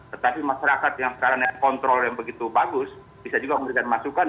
tetapi masyarakat yang sekarang yang kontrol yang begitu bagus bisa juga memberikan masukan